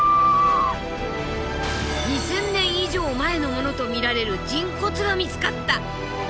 ２，０００年以上前のものとみられる人骨が見つかった。